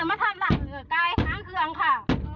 อันตอนนี้ค่ะ